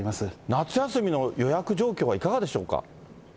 夏休みの予約状況はいかがでしょうか。